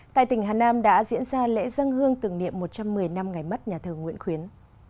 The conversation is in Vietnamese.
tại tỉnh hà nam đã diễn ra lễ dân hương tưởng niệm một trăm một mươi năm ngày mất nhà thờ nguyễn khuyến